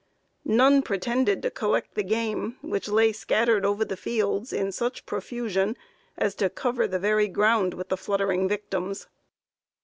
None pretended to collect the game, which lay scattered over the fields in such profusion as to cover the very ground with the fluttering victims."